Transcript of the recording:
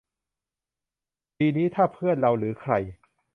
ทีนี้ถ้าเพื่อนเราหรือใคร